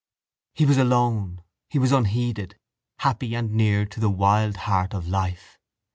He was alone. He was unheeded, happy and near to the wild heart of life.